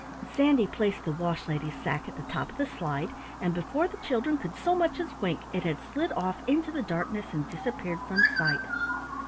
Sandy placed the Wash Lady's sack at the top of the slide, and before the children could so much as wink, it had slid off into the darkness and disappeared from sight.